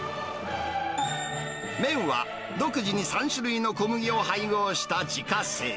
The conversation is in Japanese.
麺は独自に３種類の小麦を配合した自家製。